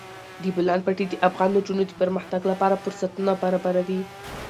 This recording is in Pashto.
د بولان پټي د افغان نجونو د پرمختګ لپاره فرصتونه برابروي.